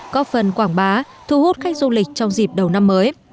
có phần quảng bá thu hút khách du lịch trong dịp đầu năm mới